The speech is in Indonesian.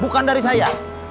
bukan dari saya